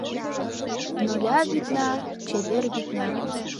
Ноля вӱдна, чевер вӱдна